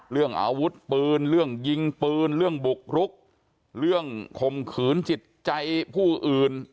เรื่องอาวุธปืนเรื่องยิงปืนเรื่องบุกรุกเรื่องข่มขืนจิตใจผู้อื่น